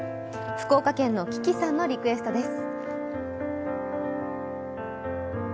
福岡県のキキさんのリクエストです。